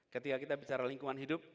ketika kita bicara lingkungan hidup